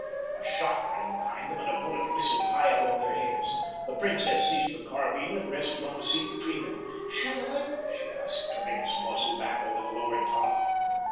A shot rang behind them, and a bullet whistled high above their heads. The princess seized the carbine that rested on the seat between them. "Shall I?" she asked, turning its muzzle back over the lowered top.